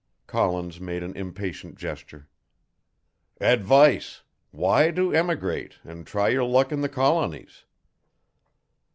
Collins made an impatient gesture. "Advice why to emigrate and try your luck in the Colonies."